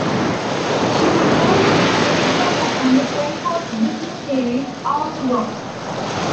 She was also a regular on the Playhouse Disney series "Out of the Box".